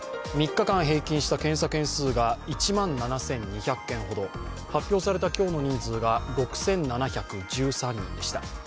３日間平均した検査件数が１万７２００件ほど、発表された今日の人数が６７１３人でした。